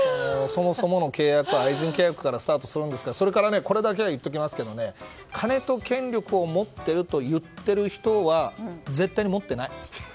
そもそもの契約、愛人契約からスタートするんですからそれからこれだけは言っておきますが金と権力を持ってると言っている人は絶対に持っていない。